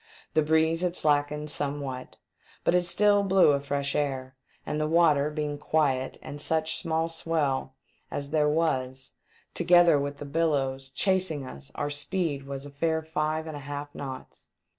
The breeze had slackened somewhat, but it still blew a fresh air, and the water being quiet and such small swell as there was, together with the 2 G 450 THE DEATH SHIP. billows, chasing us, our speed was a fair live and a half knots.